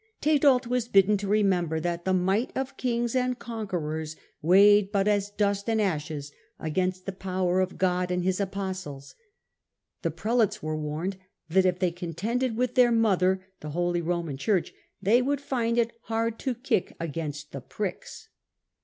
Tedald was bidden to remember that the might of kings and conquerors weighed but as dust and ashes against the power of God and His apostles ; the prelates were warned that if they contended with their mother, the holy Roman Church, they would find it * hard to kick against the pricks.'